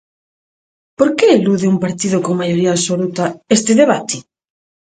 ¿Por que elude un partido con maioría absoluta este debate?